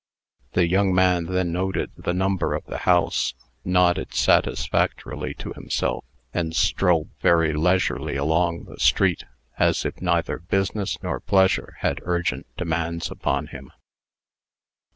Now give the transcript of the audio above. The young man then noted the number of the house, nodded satisfactorily to himself, and strolled very leisurely along the street, as if neither business nor pleasure had urgent demands upon him.